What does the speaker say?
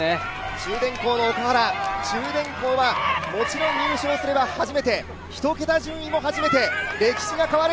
中電工の奥原、中電工はもちろん入賞すれば初めて、１桁順位も初めて、歴史が変わる。